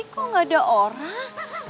kok gak ada orang